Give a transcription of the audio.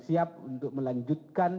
siap untuk melanjutkan